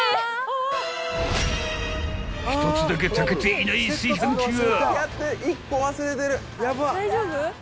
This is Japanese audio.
［１つだけ炊けていない炊飯器が］